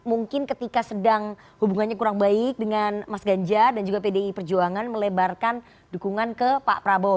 mungkin ketika sedang hubungannya kurang baik dengan mas ganjar dan juga pdi perjuangan melebarkan dukungan ke pak prabowo